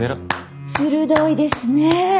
鋭いですね。